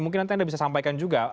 mungkin nanti anda bisa sampaikan juga